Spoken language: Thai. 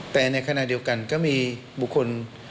แต่ในขณะเดียวกันก็มีบุคคล